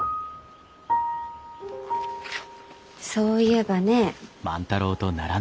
そういえばね。